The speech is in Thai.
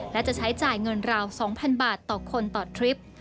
และจะใช้จ่ายเงินราว๒๐๐๐บาทต่อคนต่อทริป